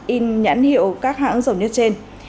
in nhãn hiệu các hãng dầu nhất trên